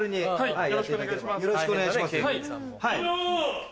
はい？